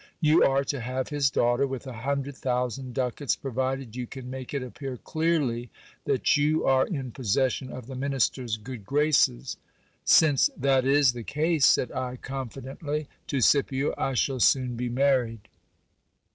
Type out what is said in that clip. You are to have his daughter with a hundred thousand ducats, provided you can make it appear clearly that you are in possession of the minister's good graces. Since that is the case, said I confidently to Scipio, I shall soon be married.